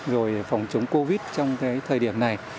rồi phòng chống covid trong cái thời điểm này